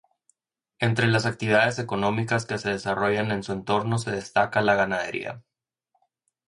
Entre las actividades económicas que se desarrollan en su entorno se destaca la ganadería.